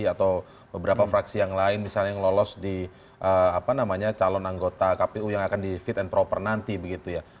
atau beberapa fraksi yang lain misalnya yang lolos di apa namanya calon anggota kpu yang akan di fit and proper nanti begitu ya